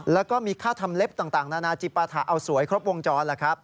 แล้วก็มีค่าทำเล็บต่างนานาจิปราถาเอาสวยครบวงจร